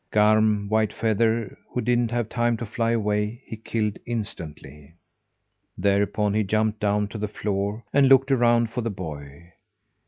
Garm Whitefeather, who didn't have time to fly away, he killed instantly. Thereupon he jumped down to the floor, and looked around for the boy.